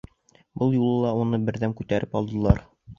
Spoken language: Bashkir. Был юлы ла уны берҙәм күтәреп алдылар.